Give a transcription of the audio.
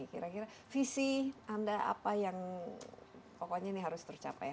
kira kira visi anda apa yang pokoknya ini harus tercapai